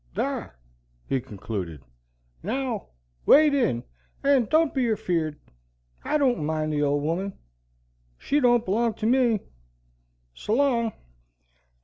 Thar," he concluded, "now wade in, and don't be afeard. I don't mind the old woman. She don't b'long to ME. S'long."